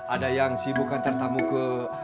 ada yang sibukkan tertamu ke